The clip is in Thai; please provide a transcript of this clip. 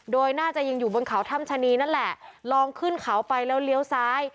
โดยน่าจะยังอยู่บนเขาถ้ำชะนีนั่นแหละลองขึ้นเขาไปแล้วเลี้ยวซ้าย